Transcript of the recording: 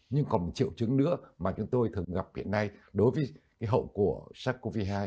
nhưng còn một triệu chứng nữa mà chúng tôi thường gặp hiện nay đối với cái hậu của sars cov hai